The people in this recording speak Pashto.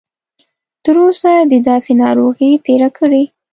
تر اوسه دې داسې ناروغي تېره کړې؟